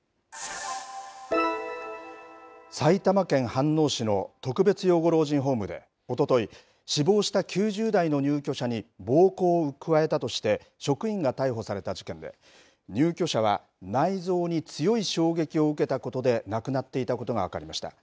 埼玉県飯能市の特別養護老人ホームでおととい死亡した９０代の入居者に暴行を加えたとして職員が逮捕された事件で入居者は内臓に強い衝撃を受けたことで亡くなっていたことが分かりました。